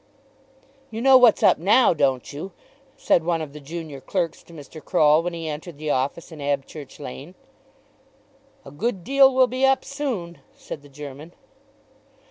"You know what's up now; don't you?" said one of the junior clerks to Mr. Croll when he entered the office in Abchurch Lane. "A good deal will be up soon," said the German.